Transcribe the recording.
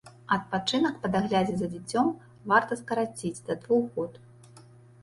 Адпачынак па даглядзе за дзіцем варта скараціць да двух год.